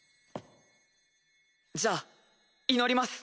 じゃあ祈ります。